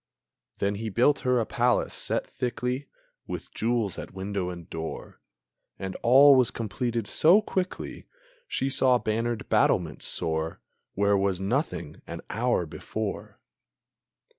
Then he built her a palace, set thickly With jewels at window and door; And all was completed so quickly She saw bannered battlements soar Where was nothing an hour before.